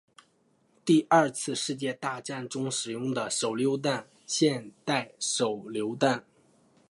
第二次世界大战中使用的手榴弹现代手榴弹